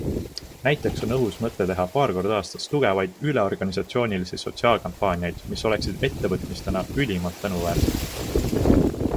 Näiteks on õhus mõte teha paar korda aastas tugevaid üleorganisatsioonilisi sotsiaalkampaaniaid, mis oleksid ettevõtmistena ülimalt tänuväärsed.